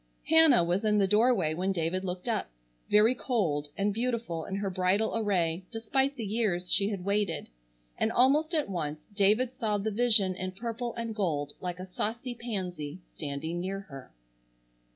Hannah was in the doorway when David looked up, very cold and beautiful in her bridal array despite the years she had waited, and almost at once David saw the vision in purple and gold like a saucy pansy, standing near her.